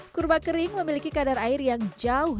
kurma kering memiliki kadar air yang jauh